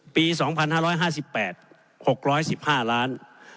ปี๒๕๕๘๖๑๕ล้าน